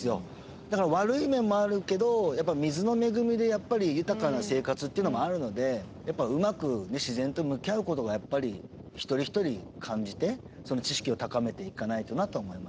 だから悪い面もあるけど水の恵みで豊かな生活というのもあるのでやっぱりうまく自然と向き合うことが一人一人感じてその知識を高めていかないとなと思いましたね。